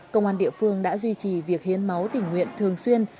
công an địa phương đã duy trì việc hiến máu tình nguyện thường xuyên